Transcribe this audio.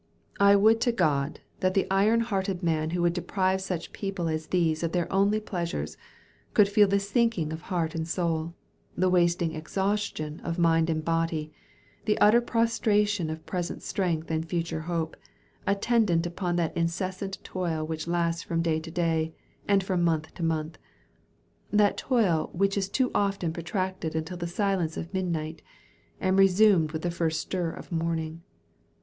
I would to God, that the iron hearted man who would deprive such people as these of their only pleasures, could feel the sinking of heart and soul, the wasting exhaustion of mind and body, the utter prostration of present strength and future hope, attendant upon that incessant toil which lasts from day to day, and from month to month; that toil which is too often protracted until the silence of midnight, and resumed with the first stir of morning.